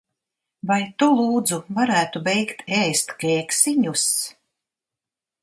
Vai tu, lūdzu, varētu beigt ēst kēksiņus?